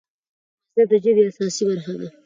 مصدر د ژبي اساسي برخه ده.